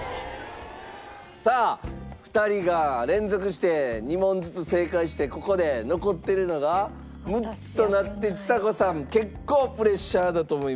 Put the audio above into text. さあ２人が連続して２問ずつ正解してここで残ってるのが６つとなってちさ子さん結構プレッシャーだと思いますが。